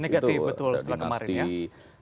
negatif betul setelah kemarin ya